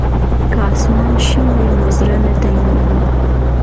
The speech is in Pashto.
که اسمان شین وي نو زړه نه تنګیږي.